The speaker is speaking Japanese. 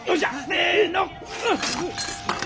せの！